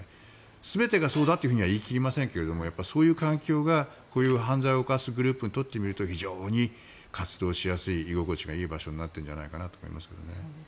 全てがそうだとは言い切りませんがそういう環境がこういう犯罪を犯すグループにとってみると非常に活動しやすい居心地がいい場所になってるんじゃないかなと思いますけどね。